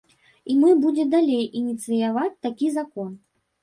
І мы будзе далей ініцыяваць такі закон.